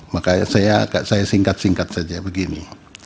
maka saya singkat singkat saja begini